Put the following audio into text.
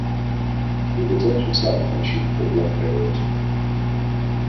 He was not himself, and she could not bear it.